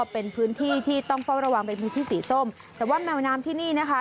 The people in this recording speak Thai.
เป็นที่สีส้มแต่ว่าแมวน้ำที่นี่นะคะ